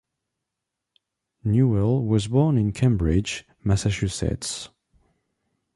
Newell was born in Cambridge, Massachusetts.